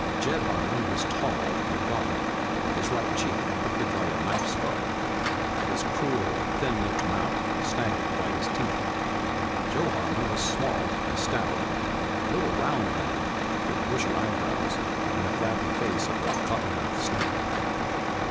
Jed Harmon was tall and gaunt, his right cheek puckered by a knife scar, his cruel, thin lipped mouth snagged by his teeth. Joe Harmon was small and stout, a little round man with bushy eyebrows and the flabby face of a cottonmouth snake.